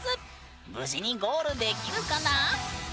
無事にゴールできるかな？